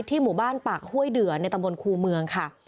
ที่หมู่บ้านปากห้วยเดือนในตำรวจคูมเมืองค่ะ